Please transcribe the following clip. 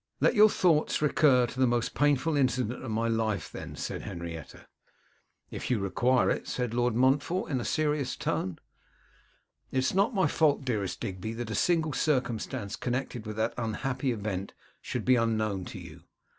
'Let your thoughts recur to the most painful incident of my life, then,' said Henrietta. 'If you require it,' said Lord Montfort, in a serious tone. 'It is not my fault, dearest Digby, that a single circumstance connected with that unhappy event should be unknown to you.